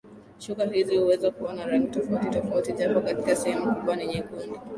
shuka hizi huweza kuwa na rangi tofauti tofauti japo katika sehemu kubwa ni nyekundu